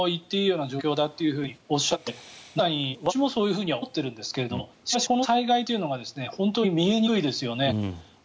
災害と言っていいような状況だとおっしゃってまさに私もそういうふうには思っているんですがしかし、この災害は本当に見えにくいですよね。